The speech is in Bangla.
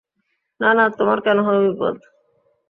না না, তোমার কেন হবে বিপদ।